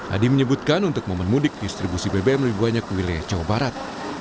adi menyebutkan untuk momen mudik distribusi bbm lebih banyak ke wilayah jawa barat